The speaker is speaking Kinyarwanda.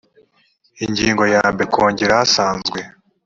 ingingo ya mbere kongere isanzwe